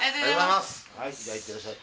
じゃあいってらっしゃい。